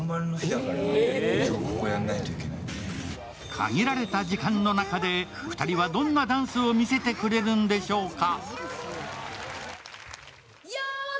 限られた時間の中で２人は、どんなダンスを見せてくれるんでしょうか。